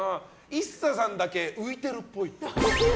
ＩＳＳＡさんだけ浮いてるっぽい。